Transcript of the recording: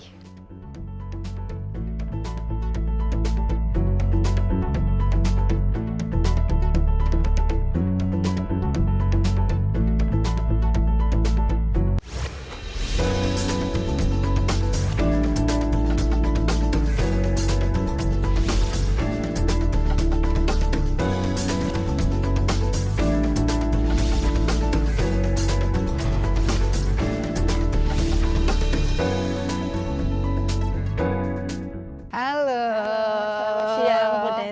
halo selamat siang bu desi